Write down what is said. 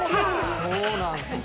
そうなんですね。